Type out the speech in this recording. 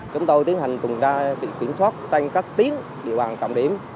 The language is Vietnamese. chúng tôi tiến hành cùng ra bị kiểm soát tranh các tiếng địa bàn cộng điểm